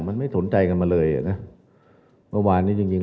มันไม่สนใจกันมาเลยอ่ะนะเมื่อวานนี้จริงจริง